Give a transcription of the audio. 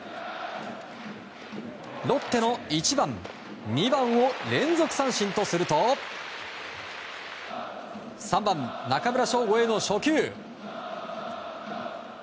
ロッテの１番、２番を連続三振とすると３番、中村奨吾への初球。